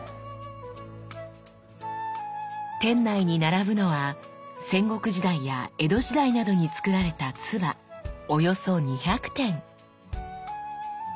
店内に並ぶのは戦国時代や江戸時代などにつくられた鐔およそ２００点。